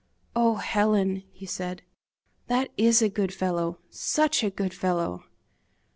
"Oh! Helen," he said, "that IS a good fellow, SUCH a good fellow!"